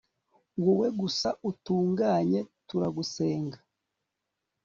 wowe gusa utunganye, turagusenga